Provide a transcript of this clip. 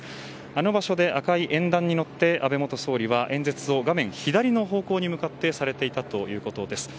あの場所で、赤い演壇に乗って安倍元総理は、演説を画面左の方向に向かってされていたということです。